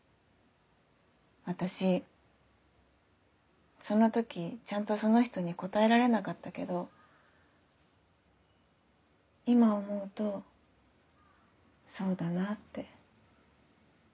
私その時ちゃんとその人に答えられなかったけど今思うとそうだなって。